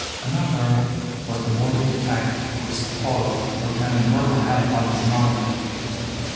Another was the morbid effect which the fall of Lieutenant Myrtle had upon his mind.